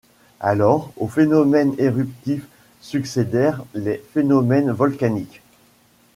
Alors aux phénomènes éruptifs succédèrent les phénomènes volcaniques.